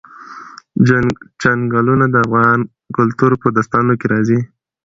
چنګلونه د افغان کلتور په داستانونو کې راځي.